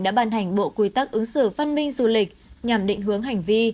đã ban hành bộ quy tắc ứng xử văn minh du lịch nhằm định hướng hành vi